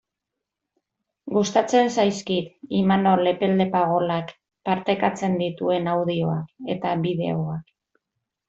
Gustatzen zaizkit Imanol Epelde Pagolak partekatzen dituen audioak eta bideoak.